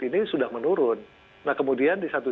ini sudah menurun nah kemudian di satu